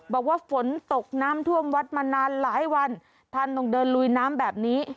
บอกว่าฝนตกน้ำท่วมวัดมานานหลายวันท่านต้องเดินลุยน้ำแบบนี้